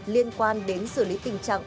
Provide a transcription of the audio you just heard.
liên quan đến xử lý tình trạng